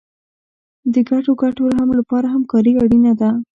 د ګډو ګټو لپاره همکاري اړینه ده.